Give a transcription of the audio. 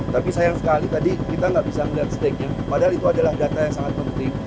tapi sayang sekali tadi kita nggak bisa melihat stake nya padahal itu adalah data yang sangat penting